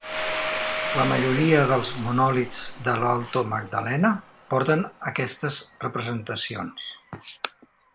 La majoria dels monòlits de l'Alto Magdalena porten aquestes representacions.